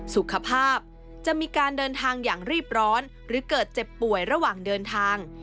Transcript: สุขภาพจะมีการเดินทางอย่างรีบร้อนหรือเกิดเจ็บป่วยระหว่างเดินทาง